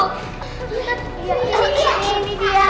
kita harus cari ini dia